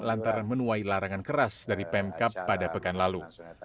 lantaran menuai larangan keras dari pemkap pada pekan lalu